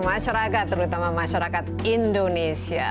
masyarakat terutama masyarakat indonesia